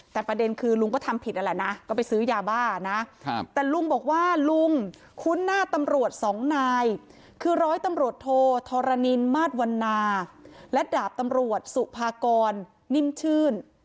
แต่ประเด็นคือลุงก็ทำผิดนั่นแหละนะก็ไปซื้อยาบ้านะแต่ลุงบอกว่าลุงคุ้นหน้าตำรวจสองนายคือร้อยตำรวจโทธรณินมาสวันนาและดาบตำรวจสุภากรนิ่มชื่น